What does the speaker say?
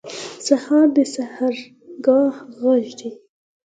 سهار د سحرګاه غږ دی.